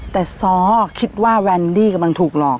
แต่ซ้อคิดว่าแวนดี้กำลังถูกหลอก